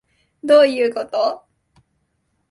どういうこと？